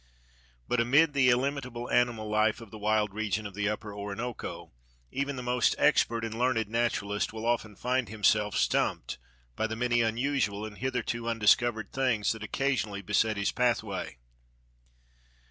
But amid the illimitable animal life of the wild region of the upper Orinoco even the most expert and learned naturalist will often find himself "stumped" by the many unusual and hitherto undiscovered things that occasionally beset his pathway.